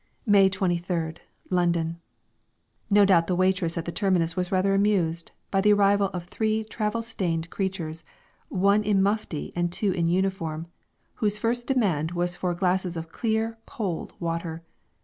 May 23rd, London. No doubt the waitress at the terminus was rather amused by the arrival of three travel stained creatures, one in mufti and two in uniform, whose first demand was for glasses of clear, cold water.